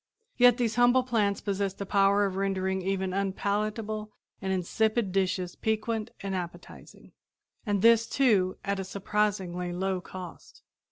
Yet these humble plants possess the power of rendering even unpalatable and insipid dishes piquant and appetizing, and this, too, at a surprisingly low cost.